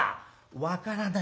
「分からないよ